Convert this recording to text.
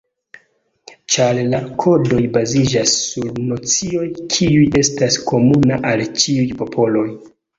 Ĉar la kodoj baziĝas sur nocioj, kiuj estas komuna al ĉiuj popoloj.